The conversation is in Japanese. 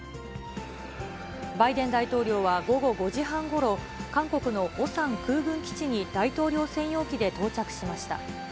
バイデン大統領は午後５時半ごろ、韓国のオサン空軍基地に大統領専用機で到着しました。